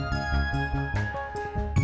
si diego udah mandi